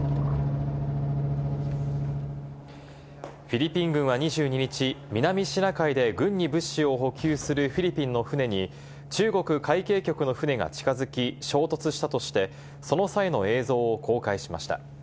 フィリピン軍は２２日、南シナ海で軍に物資を補給するフィリピンの船に中国海警局の船が近づき衝突したとして、その際の映像を公開しました。